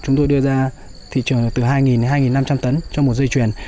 chúng tôi đưa ra thị trường từ hai đến hai năm trăm linh tấn cho một dây chuyền